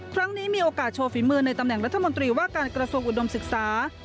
มีโอกาสโชว์ฝีมือในตำแหน่งรัฐมนตรีว่าการกระทรวงอุดมศึกษา